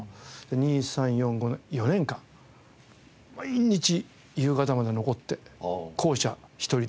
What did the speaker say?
２・３・４・５年４年間毎日夕方まで残って校舎１人で。